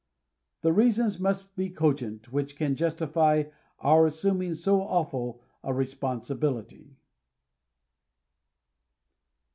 The reasons must be cogent which can justify our assuming so aw ful a responsibility.